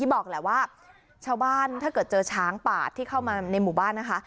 บอกแหละว่าชาวบ้านถ้าเกิดเจอช้างป่าที่เข้ามาในหมู่บ้านนะคะ